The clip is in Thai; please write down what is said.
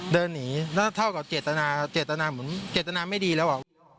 เดินหนีแล้วเท่ากับเจตนาเจตนาเหมือนเจตนาไม่ดีแล้ว